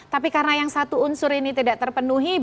tapi karena yang satu unsur ini tidak terpenuhi